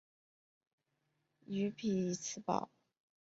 与匹兹堡和纳什维尔一样它是一个美国向西扩展时期的边界城市。